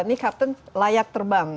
ini kapten layak terbang